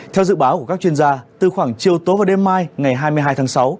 theo dự báo của các chuyên gia từ khoảng chiều tối và đêm mai ngày hai mươi hai tháng sáu